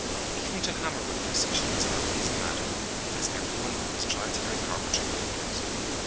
Even to hammer with precision is no easy matter, as every one who has tried to learn carpentry will admit.